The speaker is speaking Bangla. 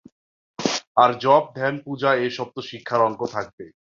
আর জপ, ধ্যান, পূজা এ-সব তো শিক্ষার অঙ্গ থাকবেই।